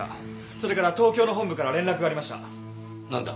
それから東京の本部から連絡がありました何だ？